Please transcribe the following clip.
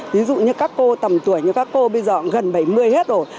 ví dụ như các cô tầm tuổi như các cô bây giờ gần bảy mươi hết rồi